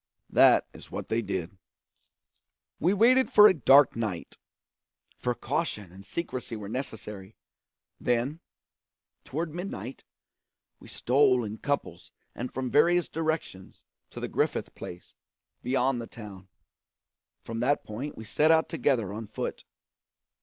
That is what they did. We waited for a dark night, for caution and secrecy were necessary; then, toward midnight, we stole in couples and from various directions to the Griffith place, beyond the town; from that point we set out together on foot.